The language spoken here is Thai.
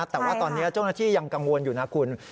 แต่ว่าตอนนี้เจ้าหน้าที่ยังกังวลอยู่นะคุณ